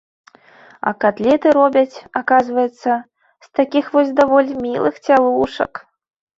А катлеты робяць, аказваецца, з такіх вось даволі мілых цялушак.